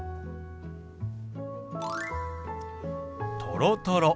「とろとろ」。